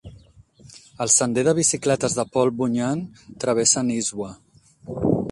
El sender de bicicletes de Paul Bunyan travessa Nisswa.